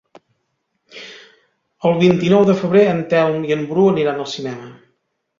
El vint-i-nou de febrer en Telm i en Bru aniran al cinema.